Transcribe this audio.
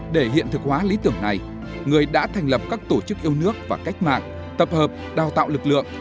để hiện thực hóa lý tưởng này người đã thành lập các tổ chức yêu nước và cách mạng tập hợp đào tạo lực lượng